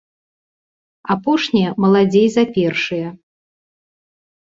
Апошнія маладзей за першыя.